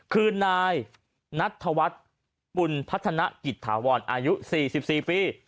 คือนายนัทธวัฒน์ปุ่นพัฒนกิจถาวรอายุ๔๔ปี